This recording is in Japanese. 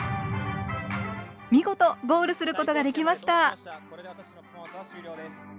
見事ゴールすることができました！